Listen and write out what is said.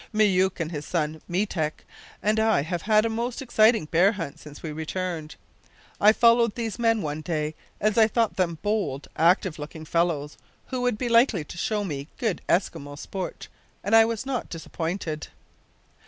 "Myouk and his son Meetek and I have had a most exciting bear hunt since we returned. I followed these men one day, as I thought them bold, active looking fellows, who would be likely to show me good Eskimo sport. And I was not disappointed.